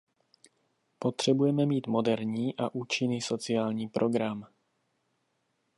Potřebujeme mít moderní a účinný sociální program.